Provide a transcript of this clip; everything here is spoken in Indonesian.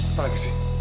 apa lagi sih